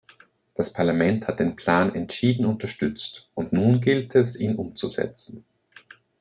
Das Parlament hat den Plan entschieden unterstützt, und nun gilt es, ihn umzusetzen.